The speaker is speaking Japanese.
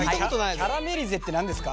キャラメリゼって何ですか？